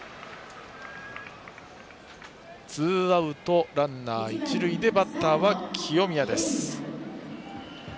ツーアウトランナー、一塁で続くバッターは清宮です。